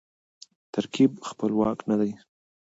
ترکیب خپلواک نه يي.